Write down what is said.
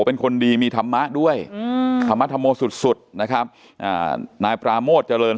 เป็นคนดีมีธรรมะด้วยธรรมธรโมสุดสุดนะครับนายปราโมทเจริญ